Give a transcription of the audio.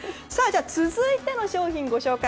続いての商品です。